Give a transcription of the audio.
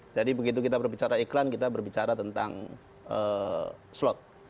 jadi begitu kita berbicara iklan kita berbicara tentang slot